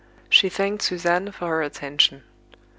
She thanked Suzanne for her attention.